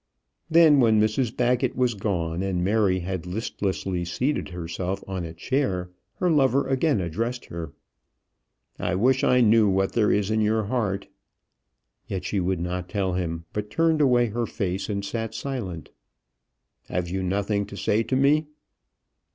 Then when Mrs Baggett was gone, and Mary had listlessly seated herself on a chair, her lover again addressed her. "I wish I knew what there is in your heart." Yet she would not tell him; but turned away her face and sat silent. "Have you nothing to say to me?"